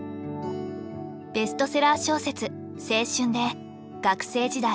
ベストセラー小説「青春」で学生時代